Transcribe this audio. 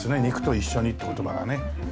肉と一緒にって言葉がね。